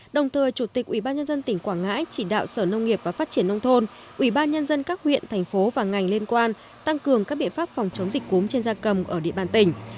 đồng thời chủ tịch ubnd tỉnh quảng ngãi chỉ đạo sở nông nghiệp và phát triển nông thôn ubnd các huyện thành phố và ngành liên quan tăng cường các biện pháp phòng chống dịch cúm trên gia cầm ở địa bàn tỉnh